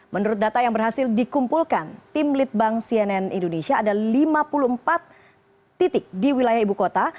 menurut data yang berhasil dikumpulkan tim litbang cnn indonesia ada lima puluh empat titik di wilayah ibu kota